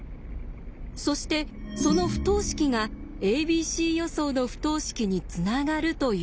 そしてその不等式が「ａｂｃ予想」の不等式につながるというものでした。